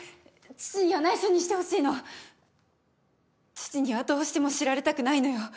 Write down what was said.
父にはどうしても知られたくないのよ。